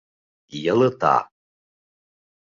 Йылыта